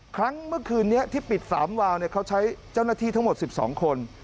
ครั้งเมื่อคืนนี้ที่ปิด๓วาวเขาใช้เจ้าหน้าที่ทั้งหมด๑๒คน